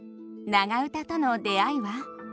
長唄との出会いは？